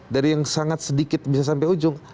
dari yang sangat sedikit bisa sampai ujung